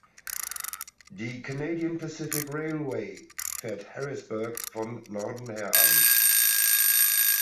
Die Canadian Pacific Railway fährt Harrisburg von Norden her an.